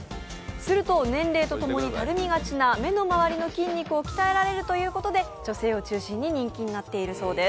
すると年齢と共にたるみがちな目の周りの筋肉を鍛えられるということで女性を中心に人気になっているそうです。